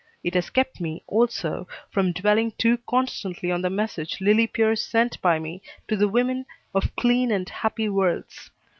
It has kept me, also, from dwelling too constantly on the message Lillie Pierce sent by me to the women of clean and happy worlds.